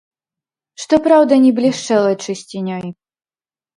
Што праўда, не блішчэла чысцінёй.